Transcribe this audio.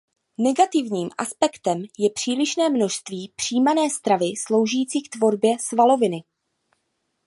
Negativním aspektem je přílišné množství přijímané stravy sloužící k tvorbě svaloviny.